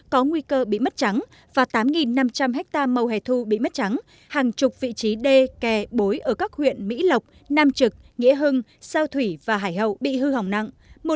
có nguy cơ bị mất trắng và tám năm trăm linh hectare màu hẻ thu bị mất trắng hàng chục vị trí đê kè bối ở các huyện mỹ lộc nam trực nghĩa hưng sao thủy và hải hậu bị hư hỏng nặng